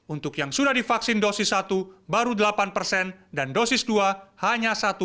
untuk yang sudah divaksin dosis satu baru delapan persen dan dosis dua hanya satu